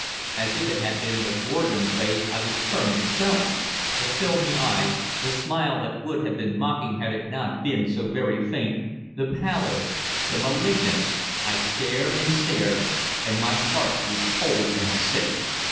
As if it had been the Gorgon's gaze, I was turned to stone. The filmy eyes, the smile that would have been mocking had it not been so very faint, the pallor, the malignance, I stared and stared, and my heart grew cold and sick.